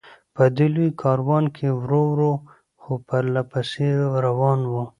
په دې لوی کاروان کې ورو ورو، خو پرله پسې روان و.